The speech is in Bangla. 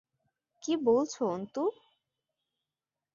কী বলছ, অন্তু!